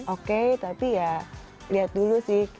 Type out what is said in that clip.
oke tapi ya lihat dulu sih